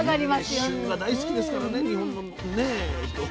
みんな旬が大好きですからね日本のね人は。